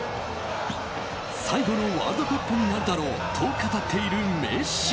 最後のワールドカップになるだろうと語っているメッシ。